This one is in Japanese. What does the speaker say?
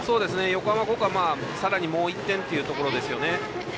横浜高校は、さらにもう１点というところですよね。